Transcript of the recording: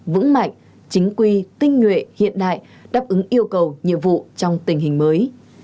vững mạnh chính quy tinh nguyện hiện đại đáp ứng yêu cầu nhiệm vụ trong tình hình mới